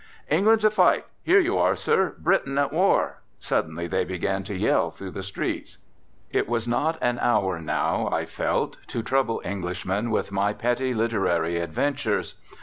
"England to fight! Here you are, sir. Britain at war!" suddenly they began to yell through the streets. It was not an hour now, I felt, to trouble Englishmen with my petty literary adventures.